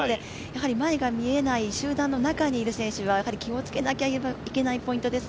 前が見えない集団の中の選手は気を付けなきゃいけないポイントです。